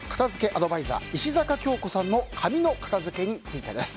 アドバイザー石阪京子さんの紙の片付けについてです。